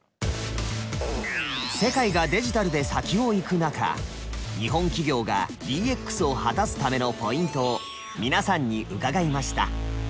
世界がデジタルで先を行く中日本企業がＤＸを果たすためのポイントを皆さんに伺いました。